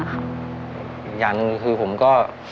อีกอย่างหนึ่งคือผมก็